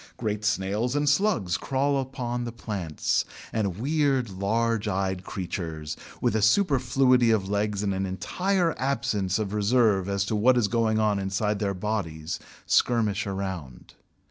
Great snails and slugs crawl upon the plants, and weird large eyed creatures, with a superfluity of legs and an entire absence of reserve as to what is going on inside their bodies, skirmish around.